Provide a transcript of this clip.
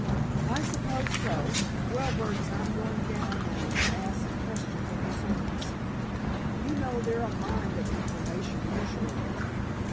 "I suppose so. Well, Burdon, I'm going down now to ask some questions of the servants. You know they're a mine of information usually."